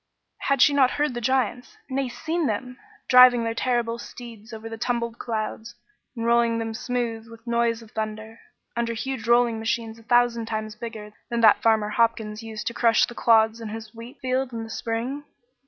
Had she not heard the giants nay, seen them driving their terrible steeds over the tumbled clouds, and rolling them smooth with noise of thunder, under huge rolling machines a thousand times bigger than that Farmer Hopkins used to crush the clods in his wheat field in the spring?